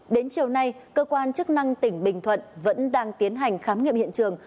đến chiều nay cơ quan chức năng tỉnh bình thuận vẫn đang tiến hành khám nghiệm hiện trường